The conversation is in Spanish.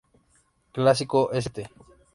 Clásico St.